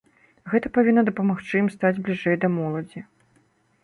Гэта павінна дапамагчы ім стаць бліжэй да моладзі.